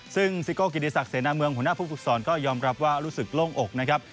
ซึ่งซิโกะกิริสักเสนาเมืองหัวหน้าภูกษรก็ยอมรับว่ารู้สึกลงอกนะครับ